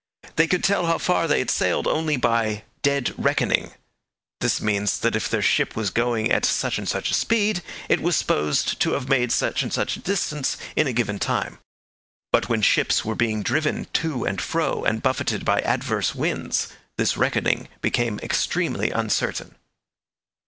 They could tell how far they had sailed only by 'dead reckoning'; this means that if their ship was going at such and such a speed, it was supposed to have made such and such a distance in a given time. But when ships were being driven to and fro, and buffeted by adverse winds, this reckoning became extremely uncertain.